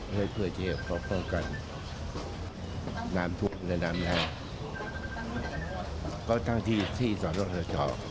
เพื่อที่จะพร้อมกันน้ำทุกข์และน้ำแท้ก็ตั้งที่สอดรสชอบ